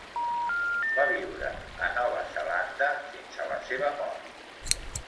Va viure a Nova Zelanda fins a la seva mort.